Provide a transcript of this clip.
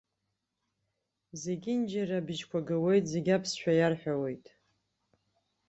Зегьынџьара абжьқәа гауеит, зегьы аԥсшәа иарҳәауеит.